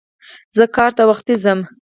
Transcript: زه کار ته وختي ځم.